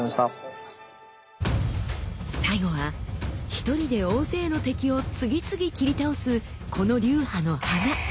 最後は一人で大勢の敵を次々斬り倒すこの流派の華。